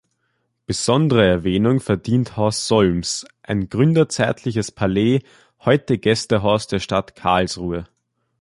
Besondere Erwähnung verdient Haus Solms, ein gründerzeitliche Palais, heute Gästehaus der Stadt Karlsruhe.